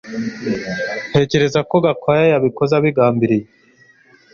Ntekereza ko Gakwaya yabikoze abigambiriye